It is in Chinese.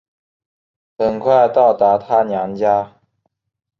很快到达她娘家